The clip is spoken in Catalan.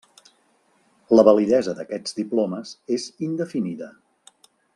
La validesa d'aquests diplomes és indefinida.